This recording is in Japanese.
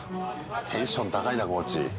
テンション高いなコーチ。